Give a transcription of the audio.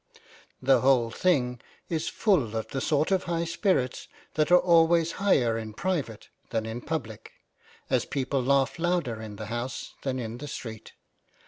The whole thing is full of the sort of high spirits that are always higher in private than in public ; as people laugh louder in the house than in the street.